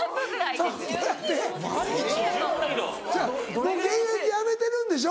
・もう現役辞めてるんでしょ？